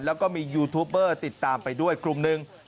แล้วก็มียูทูปเบอร์ติดตามไปด้วยกลุ่มหนึ่ง